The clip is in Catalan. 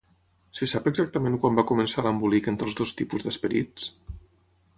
Se sap exactament quan va començar l'embolic entre els dos tipus d'esperits?